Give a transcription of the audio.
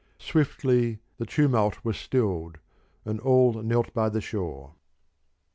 Swiftly the tumult was stilled, and all knelt by the shore.